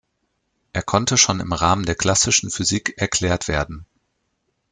Er konnte schon im Rahmen der klassischen Physik erklärt werden.